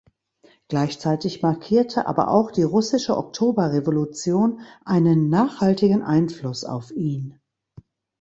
Gleichzeitig markierte aber auch die russische Oktoberrevolution einen nachhaltigen Einfluss auf ihn.